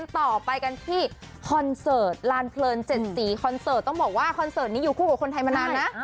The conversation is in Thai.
ต่อไปกันที่คอนเสิร์ตลานเพลิน๗สีคอนเสิร์ตต้องบอกว่าคอนเสิร์ตนี้อยู่คู่กับคนไทยมานานนะ